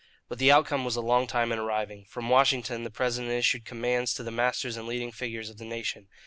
But the outcome was a long time in arriving. From Washington the President issued commands to the masters and leading figures of the nation.